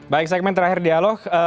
baik segmen terakhir dialog